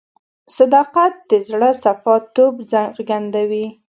صداقت د زړه صفا توب څرګندوي.